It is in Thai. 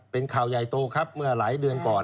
เป็นข่าวใหญ่โตครับเมื่อหลายเดือนก่อน